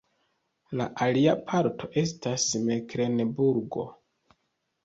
La alia parto estas Meklenburgo.